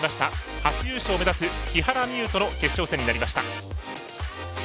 初優勝を目指します木原美悠との一戦となりました。